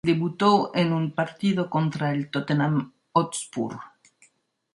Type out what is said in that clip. Debutó en un partido contra el Tottenham Hotspur.